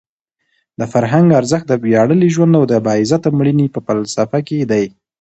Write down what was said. د فرهنګ ارزښت د ویاړلي ژوند او د باعزته مړینې په فلسفه کې دی.